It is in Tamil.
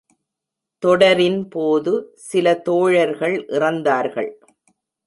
தொடரின்போது சில தோழர்கள் இறந்தார்கள்.